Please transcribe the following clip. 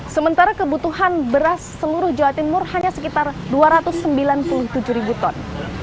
sementara kebutuhan beras seluruh jawa timur hanya sekitar dua ratus sembilan puluh tujuh ribu ton